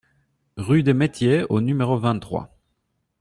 Rue des Metiers au numéro vingt-trois